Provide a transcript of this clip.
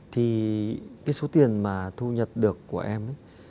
thì cái số tiền mà thu nhập được của em ấy